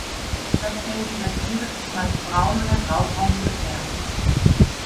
Das Fell dieser Tiere ist meist braun oder graubraun gefärbt.